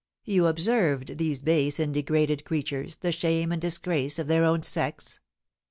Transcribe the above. "You observed these base and degraded creatures, the shame and disgrace of their own sex?